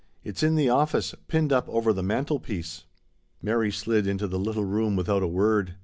It's in the office, pinned up over the mantelpiece." Mary slijj. into the little room without a word.